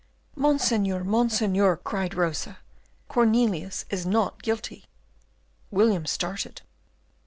"Monseigneur! Monseigneur!" cried Rosa, "Cornelius is not guilty." William started.